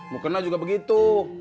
mau kena juga begitu